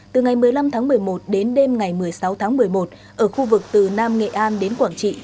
từ ngày một mươi năm tháng một mươi một đến đêm ngày một mươi sáu tháng một mươi một ở khu vực từ nam nghệ an đến quảng trị